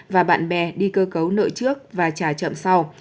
và bạn bè đi cơ cấu nợ trước và trả chậm sau